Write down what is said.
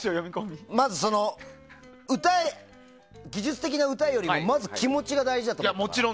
まず、技術的な歌よりもまず気持ちが大事だと思って。